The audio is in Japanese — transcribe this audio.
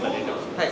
はい。